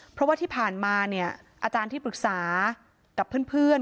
เพราะว่าที่ผ่านมาเนี่ยอาจารย์ที่ปรึกษากับเพื่อน